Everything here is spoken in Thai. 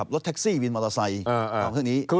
รถแท็กซี่วินมอเตอร์ไซค์